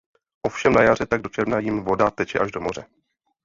Ovšem na jaře tak do června jím voda teče až do moře.